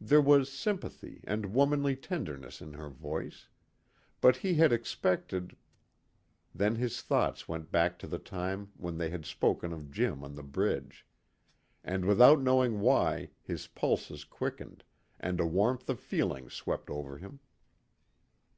There was sympathy and womanly tenderness in her voice; but he had expected Then his thoughts went back to the time when they had spoken of Jim on the bridge. And, without knowing why, his pulses quickened, and a warmth of feeling swept over him.